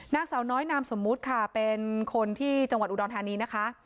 นางสาวน้อยนามสมมุติค่ะเป็นคนที่จังหวัดอุดรธานีนะคะ